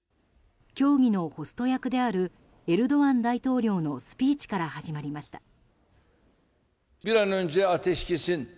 協議のホスト役であるエルドアン大統領のスピーチから始まりました。